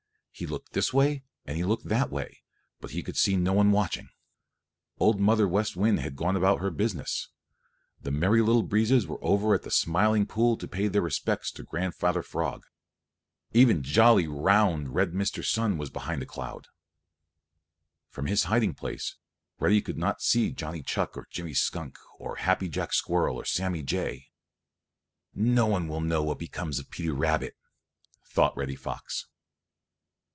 He looked this way and he looked that way, but he could see no one watching. Old Mother West Wind had gone about her business. The Merry Little Breezes were over at the Smiling Pool to pay their respects to Grandfather Frog. Even jolly, round, red Mr. Sun was behind a cloud. From his hiding place Reddy could not see Johnny Chuck or Jimmy Skunk or Happy Jack Squirrel or Sammy Jay. "No one will know what becomes of Peter Rabbit," thought Reddy Fox.